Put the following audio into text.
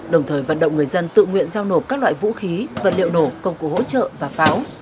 đồng thời vận động người dân tự nguyện giao nộp các loại vũ khí vật liệu nổ công cụ hỗ trợ và pháo